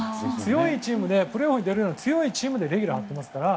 プレーオフに出るような強いチームでレギュラー張ってますから。